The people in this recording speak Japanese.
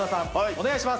お願いします。